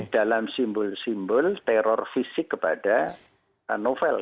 dalam simbol simbol teror fisik kepada novel